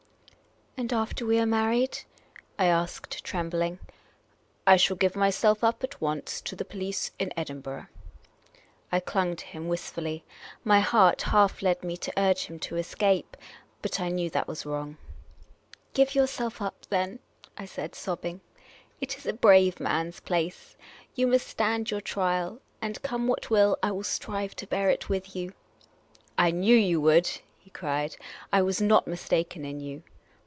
." And after we are married ?" I asked, trembling. " I shall give myself up at once to the police in Kdin burgh." I clung to him wistfully. My heart half led me to urge him to escape. But I knew that was wrong. " Give your self up, then," I said, sobbing. " It is a brave man's place. You must stand your trial; and, come what will, I will strive to bear it with you." " I knew you would," he cried. " I was not mistaken in you."